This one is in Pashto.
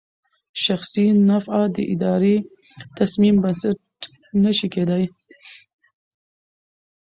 شخصي نفعه د اداري تصمیم بنسټ نه شي کېدای.